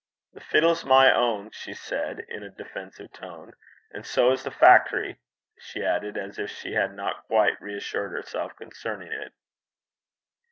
'The fiddle's my ain,' she said, in a defensive tone. 'And sae is the fact'ry,' she added, as if she had not quite reassured herself concerning it.